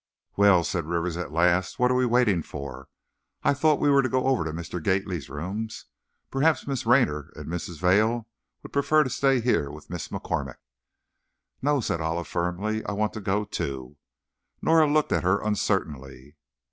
"Well," said Rivers, at last, "what are we waiting for? I thought we were to go over to Mr. Gately's rooms. Perhaps Miss Raynor and Mrs. Vail would prefer to stay here with Miss MacCormack." "No," said Olive, firmly, "I want to go, too." Norah looked at her uncertainly.